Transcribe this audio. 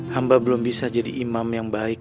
hamba belum bisa jadi imam yang baik